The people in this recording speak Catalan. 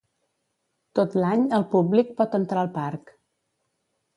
Tot l'any el públic pot entrar al parc.